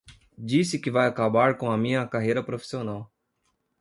Disse que vai acabar com a minha carreira profissional